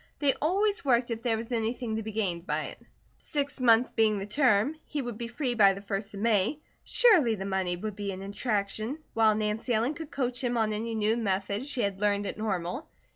They always worked if there was anything to be gained by it. Six months being the term, he would be free by the first of May; surely the money would be an attraction, while Nancy Ellen could coach him on any new methods she had learned at Normal.